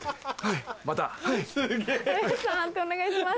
判定お願いします。